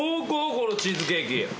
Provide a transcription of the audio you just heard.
このちーずケーキ。